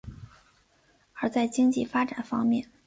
而在经济发展方面。